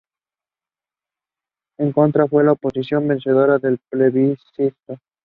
Over the years Classen had also acquired the surrounding land from the crown.